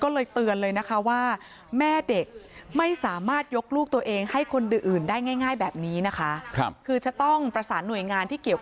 ก็เลยเตือนเลยนะคะว่าแม่เด็กไม่สามารถยกลูกตัวเอง